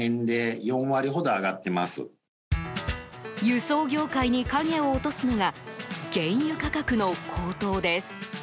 輸送業界に影を落とすのが原油価格の高騰です。